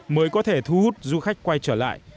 mới có thể thu hút du khách quay trở lại